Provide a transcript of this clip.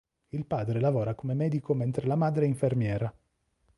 Il padre lavora come medico mentre la madre è infermiera.